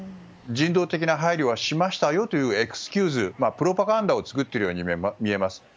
人道的な配慮はしましたよというエクスキューズ、プロパガンダを作っているように見えます。